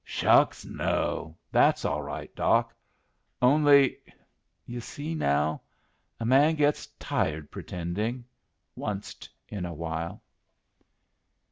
"Shucks, no! That's all right, Doc. Only yu' see now. A man gets tired pretending onced in a while."